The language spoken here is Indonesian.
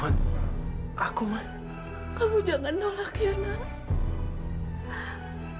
hai aku mau kamu jangan nolak ya nak